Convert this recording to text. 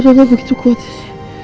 gue hanya begitu kuat sih